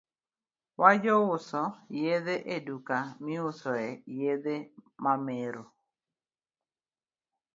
Wajouso yedhe e duka miusoe yedhe mamero